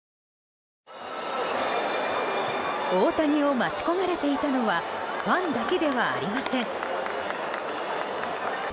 大谷を待ち焦がれていたのはファンだけではありません。